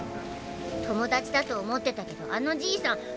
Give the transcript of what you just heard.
友達だと思ってたけどあのじいさん